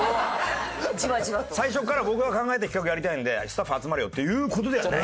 最初から僕が考えた企画やりたいんでスタッフ集まれよっていう事ではない。